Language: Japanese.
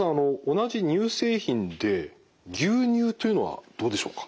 同じ乳製品で牛乳というのはどうでしょうか？